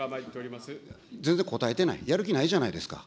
全然答えてない、やる気ないじゃないですか。